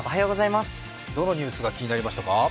どのニュースが気になりましたか？